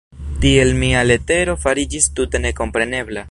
Tiel mia letero fariĝis tute nekomprenebla.